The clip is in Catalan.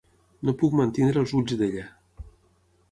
No puc mantenir els ulls d'ella.